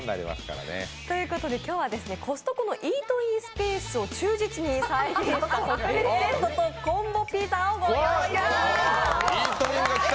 今日はコストコのイートインスペースを忠実に再現した特別セットとコンボピザをご用意しました。